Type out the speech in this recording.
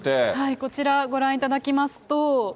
こちら、ご覧いただきますと。